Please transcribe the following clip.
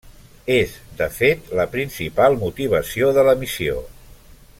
És, de fet, la principal motivació de l'emissió.